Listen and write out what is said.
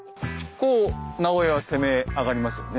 こう直江は攻め上がりますよね。